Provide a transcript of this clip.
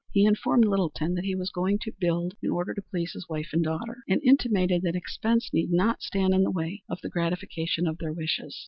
He informed Littleton that he was going to build in order to please his wife and daughter, and intimated that expense need not stand in the way of the gratification of their wishes.